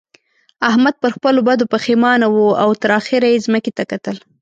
احمد پر خپلو بدو پېښمانه وو او تر اخېره يې ځمکې ته کتل.